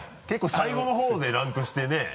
結構最後の方でランクしてね。